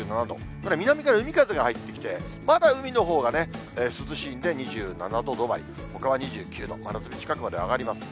これ、南から海風が入ってきて、まだ海のほうがね、涼しいんで、２７度止まり、ほかは２９度、真夏日近くまで上がります。